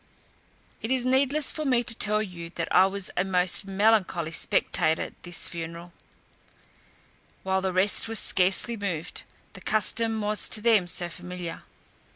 It is needless for me to tell you that I was a most melancholy spectator this funeral, while the rest were scarcely moved, the custom was to them so familiar.